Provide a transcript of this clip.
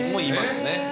いますね。